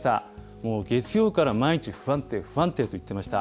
もう月曜から毎日不安定、不安定と言ってました。